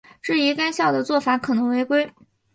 质疑该校的做法可能违规。